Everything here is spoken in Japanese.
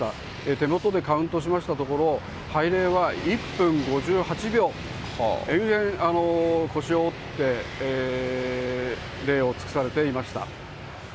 手元でカウントしましたところ、拝礼は１分５８秒、延々、腰を折って礼を尽くされていました。